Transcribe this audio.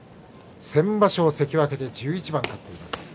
先場所関脇で１１番勝っています。